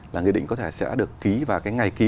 là nghị định có thể sẽ được ký vào cái ngày ký